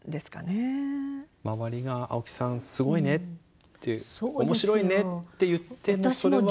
周りが「青木さんすごいね」って「面白いね」って言ってもそれは。